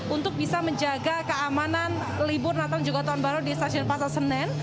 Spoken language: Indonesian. untuk bisa menjaga keamanan libur natal dan juga tahun baru di stasiun pasar senen